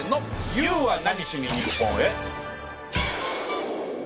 『Ｙｏｕは何しに日本へ？』。